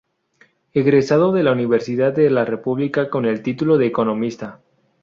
Egresado de la Universidad de la República con el título de Economista.